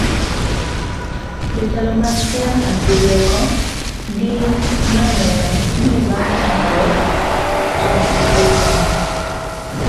jotelo mag siasa gi rieko gi noneno ni bang' chandgruok to okel kony